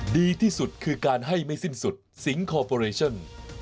ดีที่สุดคือการให้ไม่สิ้นสุดสิงคอร์ปอเรชั่น